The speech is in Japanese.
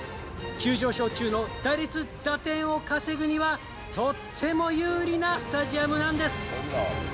急上昇中の打率、打点を稼ぐには、とっても有利なスタジアムなんです。